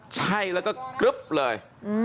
ใช่แล้วก็กรึ๊บเลย